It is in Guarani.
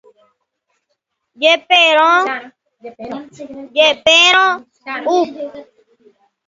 Jepérõ upéicha ha jaikuaaháicha.